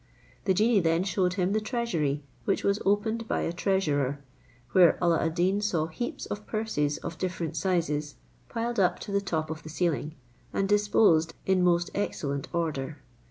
The genie then showed him the treasury, which was opened by a treasurer, where Alla ad Deen saw heaps of purses, of different sizes, piled up to the top of the ceiling, and disposed in most excellent order.